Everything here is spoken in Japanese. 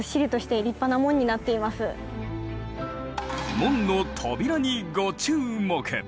門の扉にご注目！